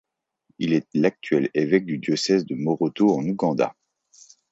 Il est l'actuel évêque du diocèse de Moroto en Ouganda.